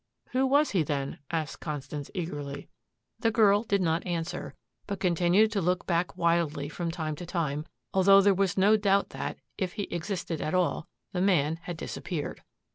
"Who was he, then?" asked Constance eagerly. The girl did not answer, but continued to look back wildly from time to time, although there was no doubt that, if he existed at all, the man had disappeared.